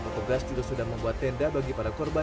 dr gas juga sudah membuat tenda bagi para korban